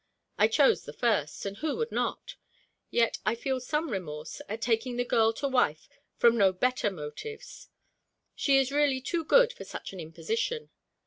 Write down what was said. I chose the first; and who would not? Yet I feel some remorse at taking the girl to wife from no better motives. She is really too good for such an imposition.